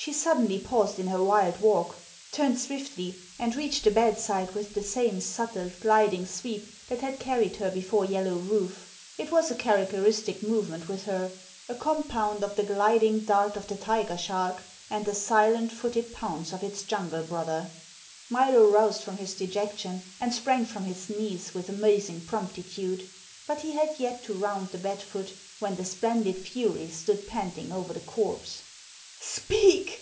She suddenly paused in her wild walk, turned swiftly, and reached the bedside with the same subtle, gliding sweep that had carried her before Yellow Rufe; it was a characteristic movement with her a compound of the gliding dart of the tiger shark and the silent footed pounce of its jungle brother. Milo roused from his dejection and sprang from his knees with amazing promptitude, but he had yet to round the bed foot when the splendid fury stood panting over the corpse. "Speak!"